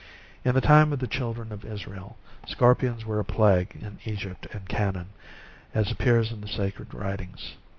In the time of the children of Israel, scorpions were a plague in Egypt and Canaan, as ap pears hy the sacred writings.